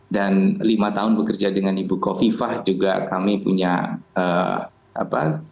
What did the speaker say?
dan lima tahun bekerja dengan ibu kofifah juga kami punya apa